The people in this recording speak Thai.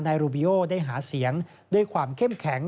รูปิโอได้หาเสียงด้วยความเข้มแข็ง